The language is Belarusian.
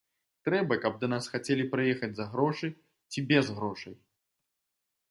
Трэба, каб да нас хацелі прыехаць за грошы ці без грошай.